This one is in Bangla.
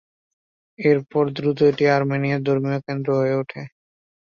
এরপর দ্রুত এটি আর্মেনিয়ার ধর্মীয় কেন্দ্র হয়ে ওঠে।